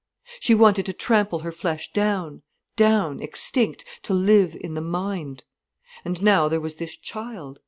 She wanted to trample her flesh down, down, extinct, to live in the mind. And now there was this child.